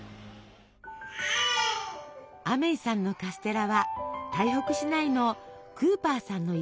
アメイさんのカステラは台北市内のクーパーさんの家へ。